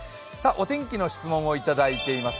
お天気の質問をいただいています。